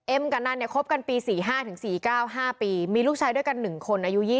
กับนันเนี่ยคบกันปี๔๕๔๙๕ปีมีลูกชายด้วยกัน๑คนอายุ๒๐